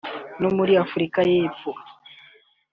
no muri Afurika y’Epfo